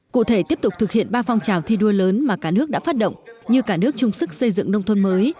cụ thể tiếp tục thực hiện ba phong trào thi đua lớn mà cả nước đã phát động như cả nước chung sức xây dựng nông thôn mới